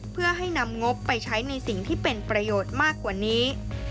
เพื่อให้นำงบไปใช้ในสิ่งที่เป็นประโยชน์มากกว่านี้